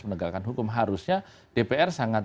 penegakan hukum harusnya dpr sangat